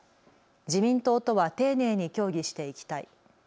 自民党とは丁寧に協議していきたい。